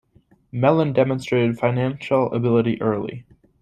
Mellon demonstrated financial ability early.